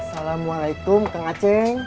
assalamualaikum kang aceh